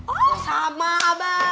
oh sama abah